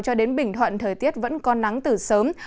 cho đến bình thuận thời tiết vẫn có nắng từ sớm